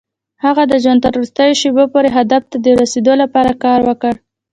هغه د ژوند تر وروستيو شېبو پورې هدف ته د رسېدو لپاره کار وکړ.